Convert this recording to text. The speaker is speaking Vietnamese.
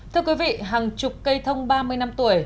thưa quý vị hàng chục cây thông ba mươi năm tuổi